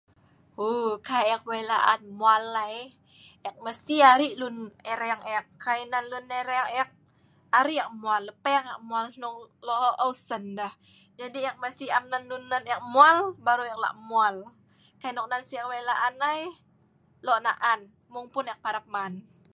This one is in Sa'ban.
Uuu, kai ek wei' laan mual ai ek mesti ari lun ireng ek. Kai nan lun ireng ek ari ek mual, lepeng ek mual hnong lo' eu' eu' sen deh. Jadi ek mesti am nan nal ek mual baru ek la' mual. Kai noknan si ek wei' laan ai lo' naan mung-mung ek parap man.